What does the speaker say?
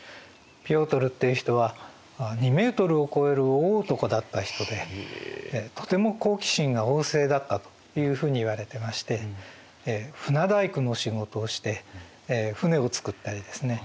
ピョートルっていう人は２ｍを超える大男だった人でとても好奇心が旺盛だったというふうにいわれてまして船大工の仕事をして船をつくったりですね